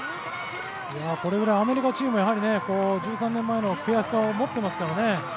これぐらい、アメリカチームは１３年前の悔しさを持ってますからね。